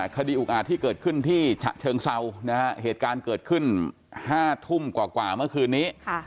อุกอาจที่เกิดขึ้นที่ฉะเชิงเซานะฮะเหตุการณ์เกิดขึ้น๕ทุ่มกว่าเมื่อคืนนี้